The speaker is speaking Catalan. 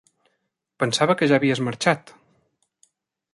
Pensava que ja havies marxat.